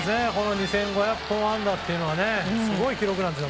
２５００本安打はすごい記録なんですね。